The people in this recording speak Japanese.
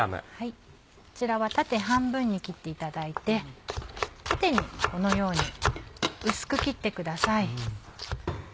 こちらは縦半分に切っていただいて縦にこのように薄く切ってください。